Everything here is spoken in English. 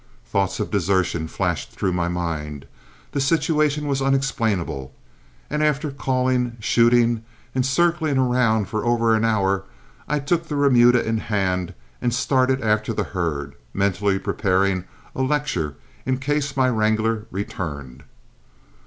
Thoughts of desertion flashed through my mind, the situation was unexplainable, and after calling, shooting, and circling around for over an hour, I took the remuda in hand and started after the herd, mentally preparing a lecture in case my wrangler returned.